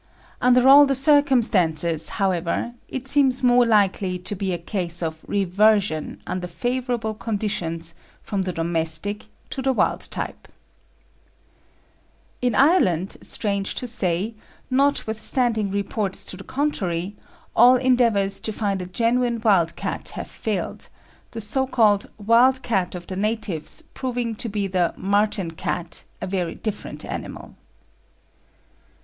Under all the circumstances, however, it seems more likely to be a case of reversion under favourable conditions from the domestic to the wild type. [A] "Trans. Tyneside Nat. Field Club," 1864, vol. vi. p. 123. "In Ireland, strange to say, notwithstanding reports to the contrary, all endeavours to find a genuine wild cat have failed, the so called 'wild cat' of the natives proving to be the 'marten cat,' a very different animal.